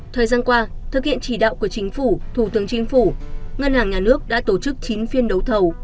thời gian qua thực hiện chỉ đạo của chính phủ thủ tướng chính phủ ngân hàng nhà nước đã tổ chức chín phiên đấu thầu